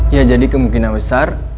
ya jadi kemungkinan besar